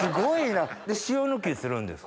で塩抜きするんですか？